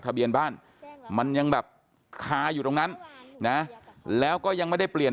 ทะเบียนบ้านมันยังแบบคาอยู่ตรงนั้นนะแล้วก็ยังไม่ได้เปลี่ยน